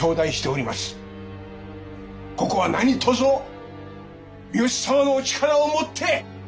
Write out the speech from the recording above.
ここは何とぞ三好様のお力をもって。